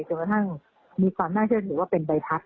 กระทั่งมีความน่าเชื่อถือว่าเป็นใบพัด